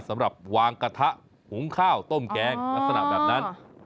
สำหรับวางกระทะหุงข้าวต้มแกงลักษณะแบบนั้น